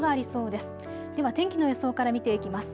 では天気の予想から見ていきます。